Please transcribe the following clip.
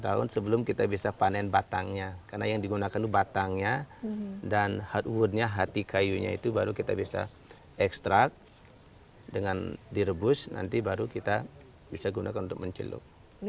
dua puluh tahun sebelum kita bisa panen batangnya karena yang digunakan itu batangnya dan hardwoodnya hati kayunya itu baru kita bisa ekstrak dengan direbus nanti baru kita bisa gunakan untuk mencelup